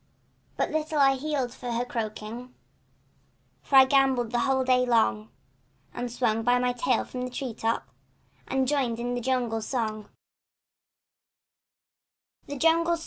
But little I heeded her croaking, For I gamboled the whole day long, And swung by my tail from the tree top, Or joined in the jungle song. THE SONG OF THE JUNGLE.